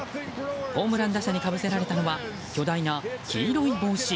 ホームラン打者にかぶせられたのは巨大な黄色い帽子。